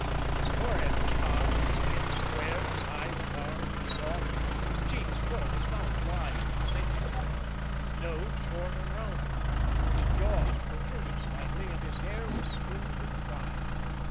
His forehead was high, his chin square, his eyes large and soft, his cheeks full, his mouth wide and sensual, his nose short and rounded. His jaws protruded slightly and his hair was smooth and fine.